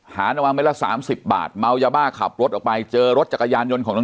หาบาง๒๐๕๓๐บาทมาเอายาบ้าขับรถออกไปเจอรถจักรยานยนต์ของน้อง